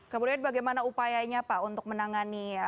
kamu lihat bagaimana upayanya pak untuk menangani